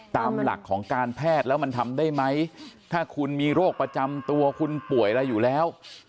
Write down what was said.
ตามหลักของการแพทย์แล้วมันทำได้ไหมถ้าคุณมีโรคประจำตัวคุณป่วยอะไรอยู่แล้ว